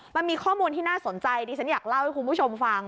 มันมีข้อมูลที่น่าสนใจดิฉันอยากเล่าให้คุณผู้ชมฟัง